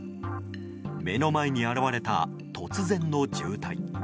目の前に現れた突然の渋滞。